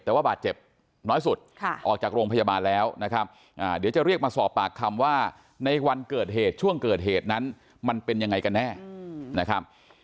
แต่ว่าบาดเจ็บน้อยสุดออกจากโรงพยาบาลแล้วนะครับเดี๋ยวจะเรียกมาสอบปากคำว่าในวันเกิดเหตุช่วงเกิดเหตุนั้นมันเป็นยังไงกันแน่นะครับ